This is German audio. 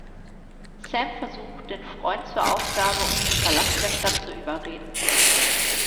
Sam versucht, den Freund zur Aufgabe und zum Verlassen der Stadt zu überreden.